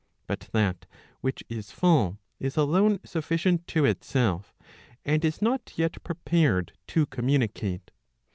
But that which is full is alone sufficient to itself, and is hot yet prepared to communicate.